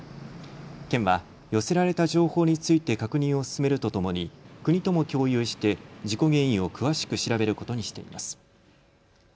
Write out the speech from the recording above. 県は寄せられた情報について確認を進めるとともに国とも共有して事故原因を詳しく調べることにしています。